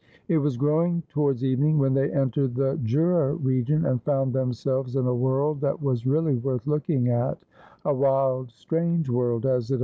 It was growing towards evening when they entered the Jura region, and found themselves in a world that was reallj worth liiokiuf; at : a wild strange world, as it a.